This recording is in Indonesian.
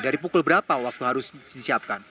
dari pukul berapa waktu harus disiapkan